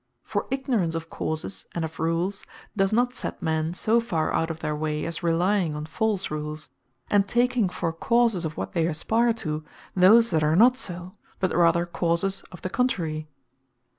For ignorance of causes, and of rules, does not set men so farre out of their way, as relying on false rules, and taking for causes of what they aspire to, those that are not so, but rather causes of the contrary.